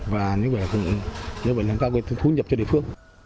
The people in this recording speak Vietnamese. và như vậy là cũng nâng cao thu nhập cho địa phương